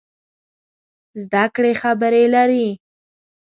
زده کړې خبرې لري.